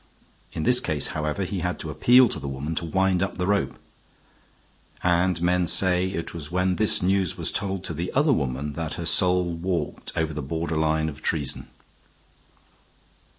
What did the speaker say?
In this case, however, he had to appeal to the woman to wind up the rope. And men say it was when this news was told to the other woman that her soul walked over the border line of treason.